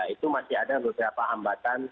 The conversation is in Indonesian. itu masih ada beberapa hambatan